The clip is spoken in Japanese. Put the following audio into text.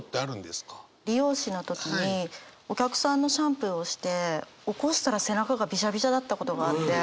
理容師の時にお客さんのシャンプーをして起こしたら背中がビシャビシャだったことがあって。